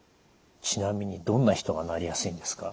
ちなみにどんな人がなりやすいんですか？